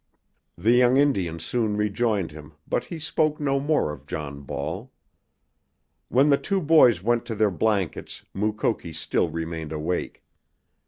The young Indian soon rejoined him, but he spoke no more of John Ball. When the two boys went to their blankets Mukoki still remained awake.